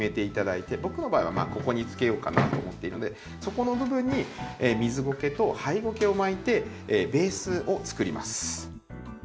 僕の場合はまあここにつけようかなと思っているのでそこの部分に水ゴケとハイゴケを巻いてベースをつくります。